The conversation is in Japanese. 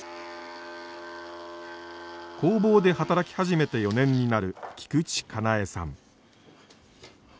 工房で働き始めて４年になる菊池奏絵さん。